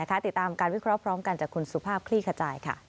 ติดตามการวิเคราะห์พร้อมกันจากคุณสุภาพคลี่ขจายค่ะ